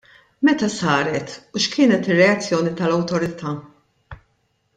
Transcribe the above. Meta saret u x'kienet ir-reazzjoni tal-Awtorità?